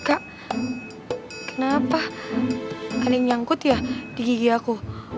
kak kenapa aning nyangkut ya di gigi aku